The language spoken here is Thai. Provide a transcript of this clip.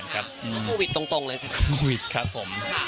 โควิดครับผม